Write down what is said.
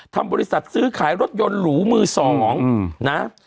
บริษัทซื้อขายรถยนต์หรูมือสองนะ